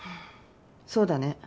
そうだね。